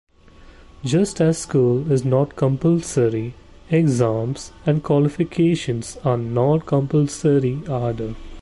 Just as school is not compulsory, exams and qualifications are not compulsory either.